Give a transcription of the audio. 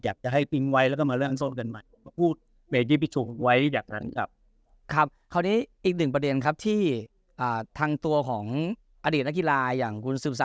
แหละจะให้ปริงไว้แล้วก็มาเล่างกันมาพูดไว้ให้แบบนั้นครับครับคราวนี้อีกหนึ่งประเด็นครับที่อ่าทางตัวของอดีตนักกีฬาอย่าง